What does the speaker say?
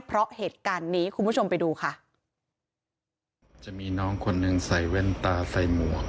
เพราะเหตุการณ์นี้คุณผู้ชมไปดูค่ะจะมีน้องคนหนึ่งใส่แว่นตาใส่หมวก